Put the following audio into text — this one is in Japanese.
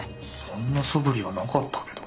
そんなそぶりはなかったけど。